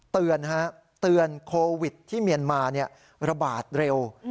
เตือนโควิดที่เมียนมาระบาดเร็ว